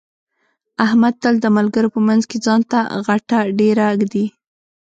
احمد تل د ملګرو په منځ کې ځان ته غټه ډېره ږدي.